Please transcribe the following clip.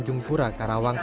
dia sudah berdarah